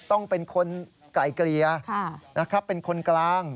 ต้องเป็นคนไก่เกลียเป็นคนกลาง